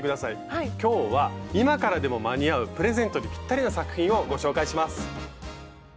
今日は今からでも間に合うプレゼントにぴったりな作品をご紹介します。